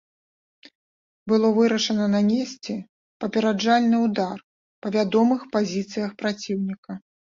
Было вырашана нанесці папераджальны ўдар па вядомых пазіцыях праціўніка.